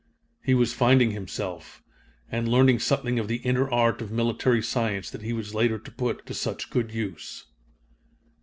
He was finding himself, and learning something of the inner art of military science that he was later to put to such good use.